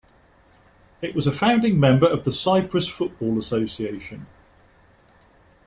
It was a founding member of the Cyprus Football Association.